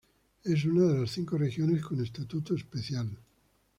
Es una de las cinco regiones con estatuto especial.